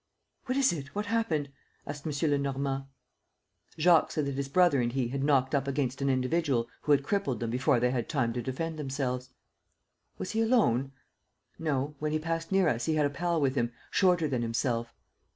"What is it? What happened?" asked M. Lenormand. Jacques said that his brother and he had knocked up against an individual who had crippled them before they had time to defend themselves. "Was he alone?" "No; when he passed near us, he had a pal with him, shorter than himself."